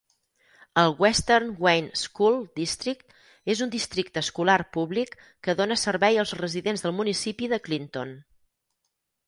El Western Wayne School District és un districte escolar públic que dóna servei als residents del municipi de Clinton.